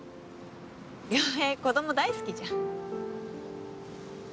良平子ども大好きじゃん！